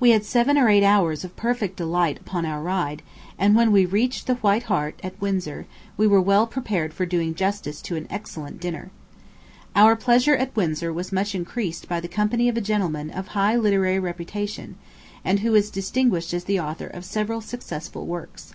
We had seven or eight hours of perfect delight upon our ride; and when we reached the White Hart, at Windsor, we were well prepared for doing justice to an excellent dinner. Our pleasure at Windsor was much increased by the company of a gentleman of high literary reputation, and who is distinguished as the author of several successful works.